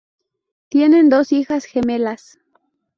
Tienen dos hijas gemelas.